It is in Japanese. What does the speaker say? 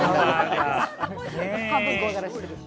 半分怖がらせてる。